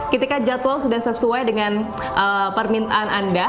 ketika jadwal sudah sesuai dengan permintaan anda